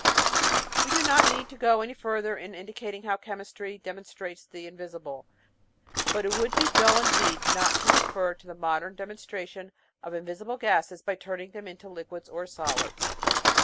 We do not need to go any further in indicating how chemistry demonstrates the invisible, but it would be dull indeed not to refer to the modern demonstration of invisible gases by turning them into liquids or solids.